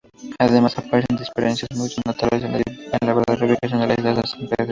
Además aparecen discrepancias muy notables con la verdadera ubicación de la isla San Pedro.